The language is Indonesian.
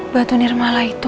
batu nirmala itu